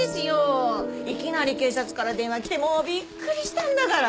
いきなり警察から電話来てもうびっくりしたんだから！